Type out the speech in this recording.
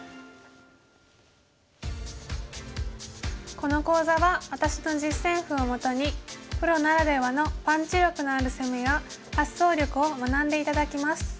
この講座は私の実戦譜をもとにプロならではのパンチ力のある攻めや発想力を学んで頂きます。